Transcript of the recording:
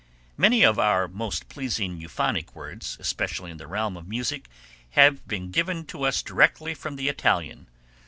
Many of our most pleasing euphonic words, especially in the realm of music, have been given to us directly from the Italian.